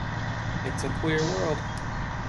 It’s a queer world.